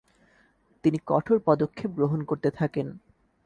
তিনি কঠোর পদক্ষেপ গ্রহণ করতে থাকেন।